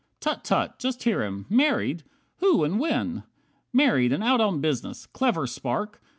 Tut! Tut! Just hear him! Married! Who, and when? Married, and out on business. Clever Spark!